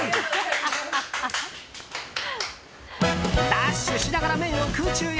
ダッシュしながら麺を空中へ。